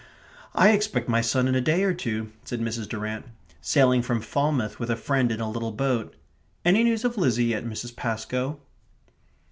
"I expect my son in a day or two," said Mrs. Durrant. "Sailing from Falmouth with a friend in a little boat.... Any news of Lizzie yet, Mrs. Pascoe?"